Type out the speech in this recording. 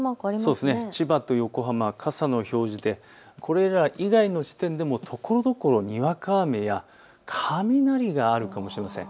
千葉と横浜、傘の表示でこれら以外の地点でもところどころにわか雨や雷があるかもしれません。